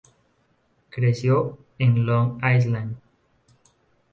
Creció en Long Island.